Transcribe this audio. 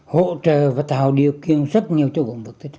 hỗ trợ và tạo điều kiện rất nhiều cho gốm phước tích